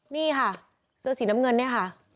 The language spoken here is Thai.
นี่ค่ะเสื้อสีน้ำเงินเนี่ยค่ะ